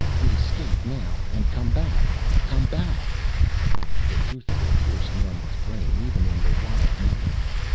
We escape now and come back come back " The truth of it pierced Norman's brain even in the wild moment.